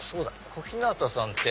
小日向さんって。